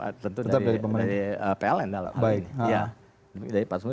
tentu dari pln